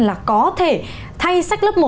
là có thể thay sách lớp một